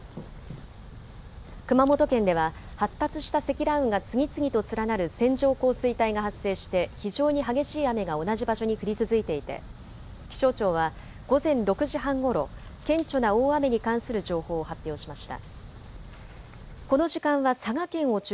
熊本県では発達した積乱雲が次々と連なる線状降水帯が発生して非常に激しい雨が同じ場所に降り続いていて気象庁は午前６時半ごろ、顕著な大雨に関する情報を発表しました。